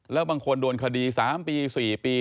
แล้วหลายคนโดนคดี๓๔ปี